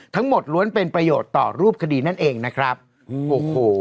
ล้วนเป็นประโยชน์ต่อรูปคดีนั่นเองนะครับโอ้โห